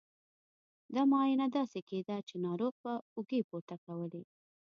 دا معاینه داسې کېده چې ناروغ به اوږې پورته کولې.